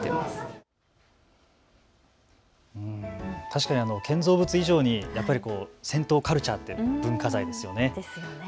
確かに建造物以上に銭湯カルチャーって文化財ですよね。